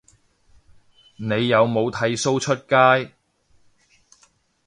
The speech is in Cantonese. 你有冇剃鬚出街